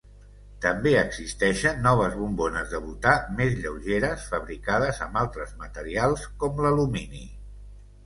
També existeixen noves bombones de butà més lleugeres, fabricades amb altres materials com l'alumini.